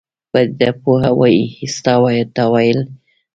پدیده پوه وایي ستا تاویل غلط دی.